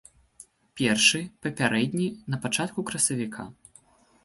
Першы, папярэдні, на пачатку красавіка.